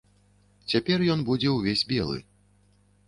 Цяпер ён будзе ўвесь белы.